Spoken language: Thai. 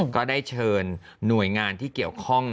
ก็ได้เชิญหน่วยงานที่เกี่ยวข้อง